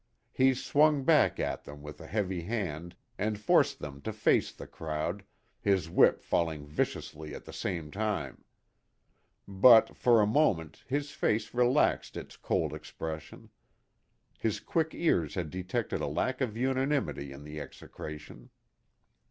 He swung them back with a heavy hand, and forced them to face the crowd, his whip falling viciously at the same time. But, for a moment, his face relaxed its cold expression. His quick ears had detected a lack of unanimity in the execration.